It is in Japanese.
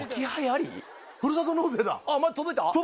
あっ届いた？